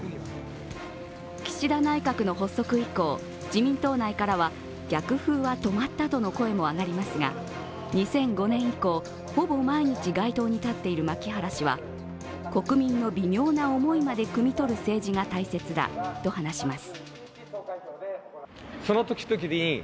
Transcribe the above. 岸田内閣の発足以降、自民党内からは逆風は止まったとの声も上がりますが２００５年以降、ほぼ毎日街頭に立っている牧原氏は国民の微妙な思いまでくみ取る政治が大切だと話します。